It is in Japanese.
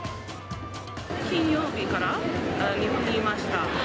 金曜日から日本に来ました。